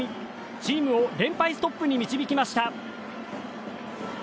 チームを連敗ストップに導きました。